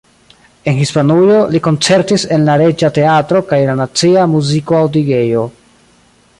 En Hispanujo li koncertis en la Reĝa Teatro kaj en la Nacia Muziko-Aŭdigejo.